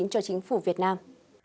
cho chính phủ việt nam